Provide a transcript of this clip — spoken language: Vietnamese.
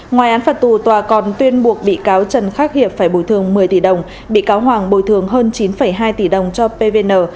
ngoài án phạt tù tòa còn tuyên buộc bị cáo trần khắc hiệp phải bồi thường một mươi tỷ đồng bị cáo hoàng bồi thường hơn chín hai tỷ đồng cho pvn